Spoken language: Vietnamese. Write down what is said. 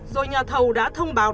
rồi nhà thầu đã thông báo